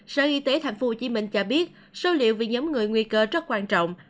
sở y tế thành phố hồ chí minh cho biết số liệu về nhóm người nguy cơ rất quan trọng